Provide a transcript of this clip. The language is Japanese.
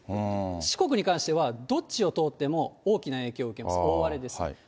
四国に関しては、どっちを通っても大きな影響を受けます、大荒れです。